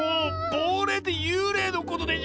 ぼうれいってゆうれいのことでしょ